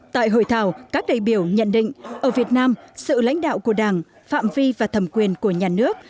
tại hội thảo các đại biểu nhận định ở việt nam sự lãnh đạo của đảng phạm vi và thẩm quyền của nhà nước